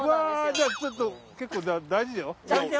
じゃあちょっと結構大事よ。